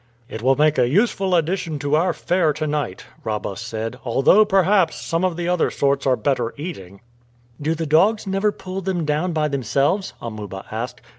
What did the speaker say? "It will make a useful addition to our fare to night," Rabah said, "although, perhaps, some of the other sorts are better eating." "Do the dogs never pull them down by themselves?" Amuba asked.